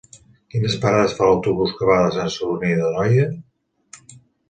Quines parades fa l'autobús que va a Sant Sadurní d'Anoia?